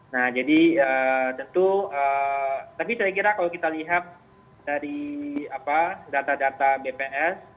nah jadi tentu tapi saya kira kalau kita lihat dari data data bps